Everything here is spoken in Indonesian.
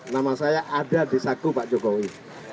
nama saya ada di saku pak jokowi